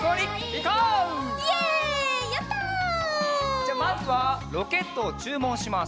じゃあまずはロケットをちゅうもんします。